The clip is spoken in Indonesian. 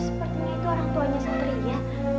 sepertinya itu orang tuanya santri ya